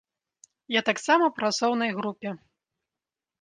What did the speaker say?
Я таксама ў працоўнай групе.